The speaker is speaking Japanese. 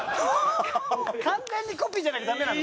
完全にコピーじゃないとダメなの？